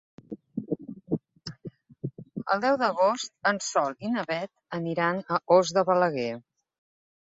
El deu d'agost en Sol i na Beth aniran a Os de Balaguer.